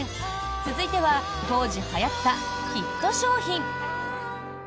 続いては当時はやったヒット商品。